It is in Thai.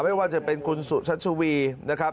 ไม่ว่าจะเป็นคุณสุชัชวีนะครับ